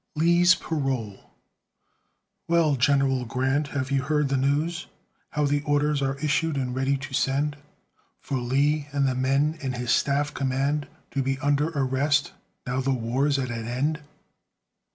LEE'S PAROLE "Well, General Grant, have you heard the news? How the orders are issued and ready to send For Lee, and the men in his staff command, To be under arrest, now the war's at an end?"